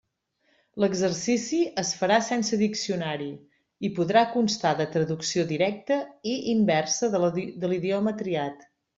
L'exercici es farà sense diccionari i podrà constar de traducció directa i inversa de l'idioma triat.